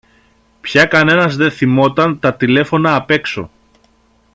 Πια κανένας δε θυμόταν τα τηλέφωνα απ’ έξω